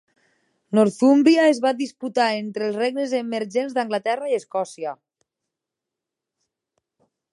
Northúmbria es va disputar entre els regnes emergents d'Anglaterra i Escòcia.